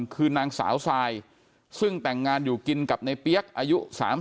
คือนางสาวทรายซึ่งแต่งงานอยู่กินกับในเปี๊ยกอายุ๓๐